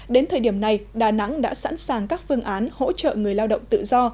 đến thời điểm này đà nẵng đã sẵn sàng các phương án hỗ trợ người lao động tự do